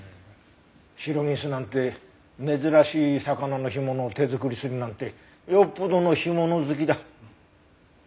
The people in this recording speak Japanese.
シロギスなんて珍しい魚の干物を手作りするなんてよっぽどの干物好きだ。